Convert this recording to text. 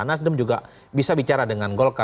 nasdem juga bisa bicara dengan golkar